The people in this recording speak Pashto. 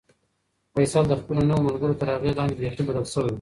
فیصل د خپلو نویو ملګرو تر اغېز لاندې بیخي بدل شوی و.